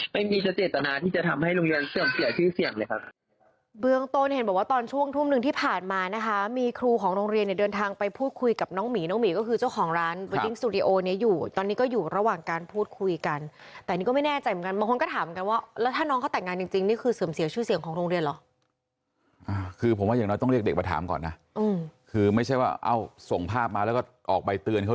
ไม่มีสเจตนาที่จะทำให้โรงเรียนเสื่อมเสียชื่อเสียงเลยครับ